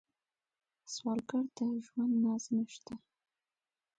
سوالګر د ژوند ناز نشته